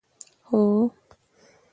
هو.